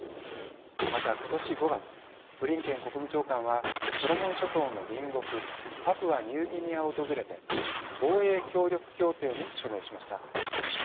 また今年５月ブリンケン国務長官はソロモン諸島の隣国パプアニューギニアを訪れて防衛協力協定に署名しました。